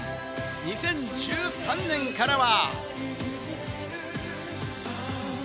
２０１３年からは。